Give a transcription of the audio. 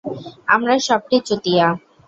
আমরা সবটি চুতিয়া।